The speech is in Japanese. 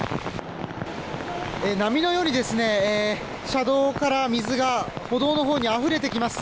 波のように車道から水が歩道のほうにあふれてきます。